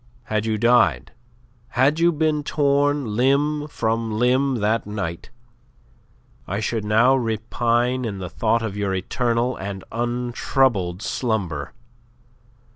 Had you died, had you been torn limb from limb that night, I should now repine in the thought of your eternal and untroubled slumber.